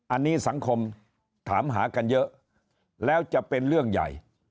อันนี้สังคมถามหากันเยอะแล้วจะเป็นเรื่องใหญ่